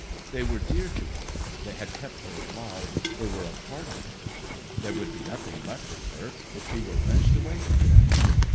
They were dear to her, they had kept her alive, they were a part of her. There would be nothing left of her if she were wrenched away from them.